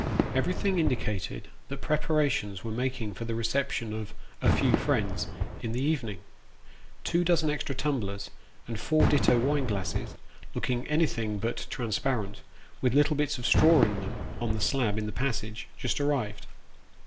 Everything indicated that preparations were making for the recep tion of " a few friends " in the evening. Two dozen extra tumblers, and four ditto wine glasses looking anything but transparent, with little bits of straw in them were on the slab in the passage, just arrived.